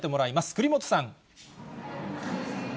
栗本さん。